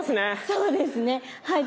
そうですねはい。